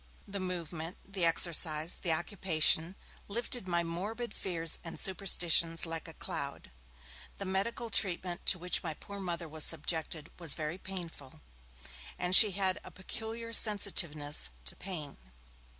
The movement, the exercise, the occupation, lifted my morbid fears and superstitions like a cloud. The medical treatment to which my poor Mother was subjected was very painful, and she had a peculiar sensitiveness to pain.